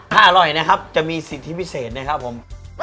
ถ้าอร่อยนะครับจะมีสิทธิพิเศษนะครับผม